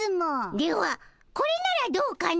ではこれならどうかの？